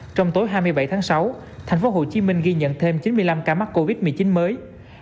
trong tối hai mươi bảy tháng sáu thành phố hồ chí minh ghi nhận thêm chín mươi năm ca mắc covid một mươi chín mới